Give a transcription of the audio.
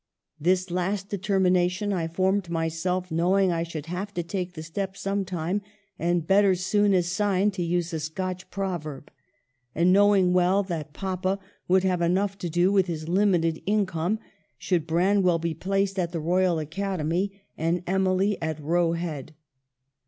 This last determination I formed myself, know ing I should have to take the step sometime, and ' better sune as syne,' to use a Scotch prov erb; and knowing well that papa would have enough to do with his limited income, should Branwell be placed at the Royal Academy and Emily at Roe Head.